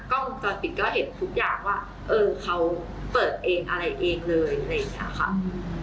วงจรปิดก็เห็นทุกอย่างว่าเออเขาเปิดเองอะไรเองเลยอะไรอย่างนี้ค่ะ